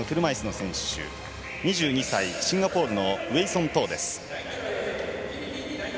車いすの選手、２２歳のシンガポールのウェイソン・トーです。